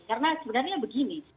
karena sebenarnya begini